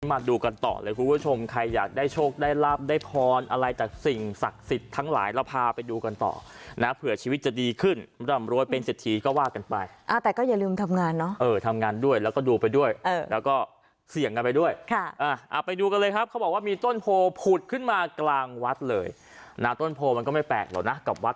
มาดูกันต่อเลยคุณผู้ชมใครอยากได้โชคได้ลาบได้พรอะไรจากสิ่งศักดิ์สิทธิ์ทั้งหลายเราพาไปดูกันต่อนะเผื่อชีวิตจะดีขึ้นร่ำรวยเป็นเศรษฐีก็ว่ากันไปอ่าแต่ก็อย่าลืมทำงานเนอะเออทำงานด้วยแล้วก็ดูไปด้วยแล้วก็เสี่ยงกันไปด้วยค่ะอ่าไปดูกันเลยครับเขาบอกว่ามีต้นโพผุดขึ้นมากลางวัดเลยนะต้นโพมันก็ไม่แปลกหรอกนะกับวัด